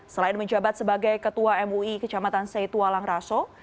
selain menjabat sebagai ketua mui kecamatan seitualang raso